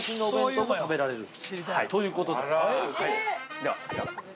では、こちら。